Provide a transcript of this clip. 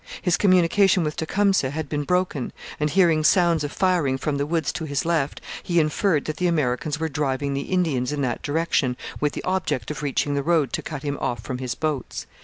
His communication with Tecumseh had been broken, and, hearing sounds of firing from the woods to his left, he inferred that the Americans were driving the Indians in that direction with the object of reaching the road to cut him off from his boats.